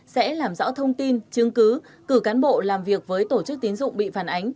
sẽ làm rõ thông tin chứng cứ cử cán bộ làm việc với tổ chức tiến dụng bị phản ánh